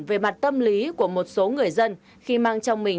về mặt tâm lý của một số người dân khi mang trong mình